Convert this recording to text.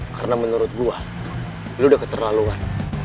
karena menurut gua ini udah keterlaluan